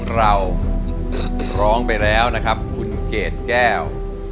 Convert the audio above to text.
เราร้องไปแล้วนะครับคุณเกดแก้ว